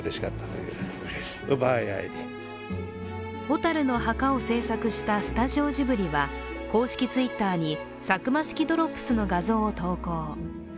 「火垂るの墓」を制作したスタジオジブリは公式Ｔｗｉｔｔｅｒにサクマ式ドロップスの画像を投稿。